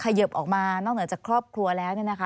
เยิบออกมานอกเหนือจากครอบครัวแล้ว